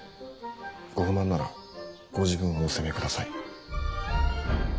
ご不満ならご自分をお責めください。